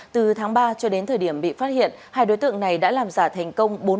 từ tháng ba cho đến thời điểm bị phát hiện hai đối tượng này đã làm giả thành công